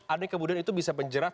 ada yang kemudian itu bisa menjerat